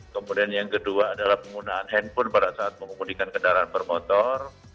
kemudian yang kedua adalah penggunaan handphone pada saat mengemudikan kendaraan bermotor